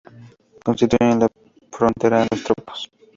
Constituyen la frontera con los tropos.